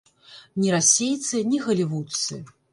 Ні расейцы, ні галівудцы.